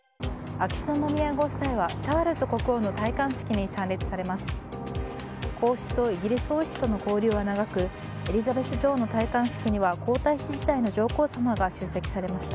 秋篠宮ご夫妻はチャールズ国王の戴冠式に参列されます。